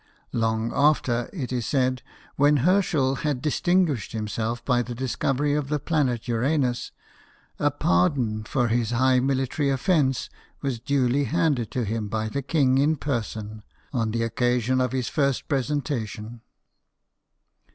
Long after, it is WILLIAM HERSCHEL, BANDSMAN. 93 said, when Herschel had distinguished himself by :he discovery of the planet Uranus, a pardon for this high military offence was duly handed to him by the king in person on the occasion of his first presentation.